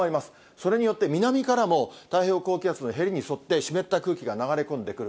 それによって南からも太平洋高気圧のヘリに沿って、湿った空気が流れ込んでくる。